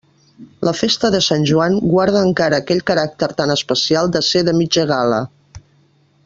La festa de Sant Joan guarda encara aquell caràcter tan especial de ser de mitja gala.